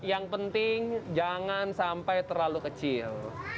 yang penting jangan sampai terlalu kecil